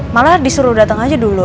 malah disuruh datang aja dulu